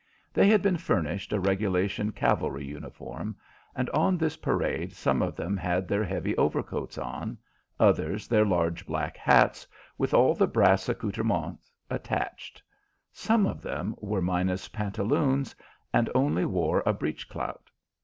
They had been furnished a regulation cavalry uniform, and on this parade some of them had their heavy overcoats on, others their large black hats, with all the brass accouterments attached; some of them were minus pantaloons, and only wore a breech clout.